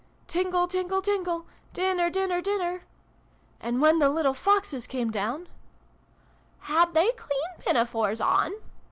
' Tingle, tingle, tingle ! Dinner, dinner, dinner !' And when the little Foxes came down "(" Had they clean pinafores on